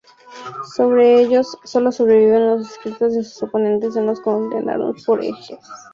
Sobre ellos solo sobreviven los escritos de sus oponentes, que los condenaron por herejes.